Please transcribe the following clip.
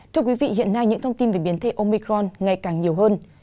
thưa quý vị hiện nay những thông tin về biến thể omicron ngày càng nhiều hơn